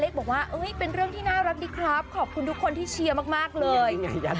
บอกว่าเป็นเรื่องที่น่ารักดีครับขอบคุณทุกคนที่เชียร์มากเลย